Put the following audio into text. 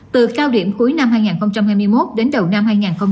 từ cao điểm cuối năm hai nghìn hai mươi một đến đầu năm hai nghìn hai mươi bốn